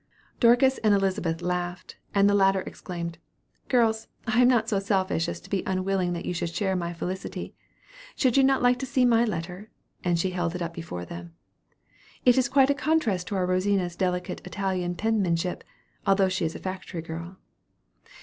'" Dorcas and Elizabeth laughed, and the latter exclaimed, "Girls, I am not so selfish as to be unwilling that you should share my felicity. Should you not like to see my letter?" and she held it up before them. "It is quite a contrast to our Rosina's delicate Italian penmanship, although she is a factory girl."